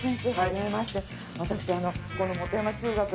私。